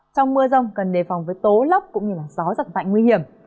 trong mưa rông cần đề phòng với tố lốc cũng như gió giật mạnh nguy hiểm